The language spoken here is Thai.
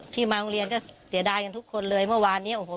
มาโรงเรียนก็เสียดายกันทุกคนเลยเมื่อวานนี้โอ้โห